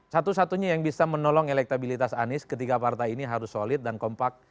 satu satunya yang bisa menolong elektabilitas anies ketiga partai ini harus solid dan kompak